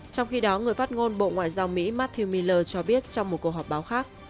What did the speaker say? trong khi đó người phát ngôn bộ ngoại giao mỹ marthie me cho biết trong một cuộc họp báo khác